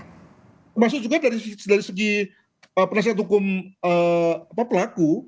termasuk juga dari segi penasihat hukum pelaku